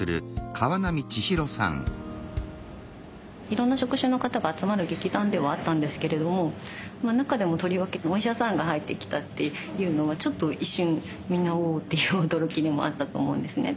いろんな職種の方が集まる劇団ではあったんですけれども中でもとりわけお医者さんが入ってきたっていうのをちょっと一瞬みんな「おお！」っていう驚きでもあったと思うんですね。